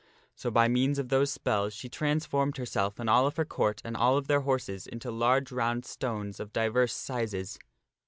So, by means of those spells, she transformed herself and all of her Court and all of their horses into large round stones of divers sizes.